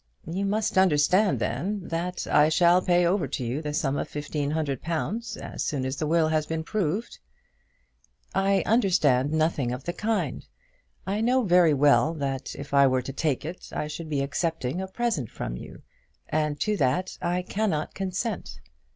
"You must understand, then, that I shall pay over to you the sum of fifteen hundred pounds as soon as the will has been proved." "I understand nothing of the kind. I know very well that if I were to take it, I should be accepting a present from you, and to that I cannot consent."